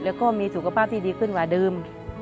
แล้วก็มีสุขภาพที่ดีขึ้นกว่าเดิม